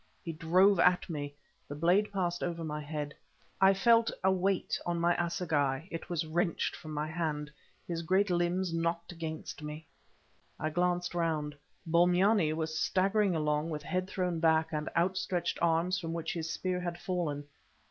He drove at me: the blade passed over my head. I felt a weight on my assegai; it was wrenched from my hand; his great limbs knocked against me. I glanced round. Bombyane was staggering along with head thrown back and outstretched arms from which his spear had fallen.